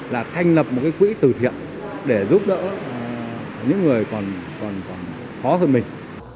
là thanh lập một quỹ từ thiện để giúp đỡ những người còn khó hơn mình